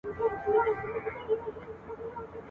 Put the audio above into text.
په کمزوري لښکر ګډه سوله ماته ..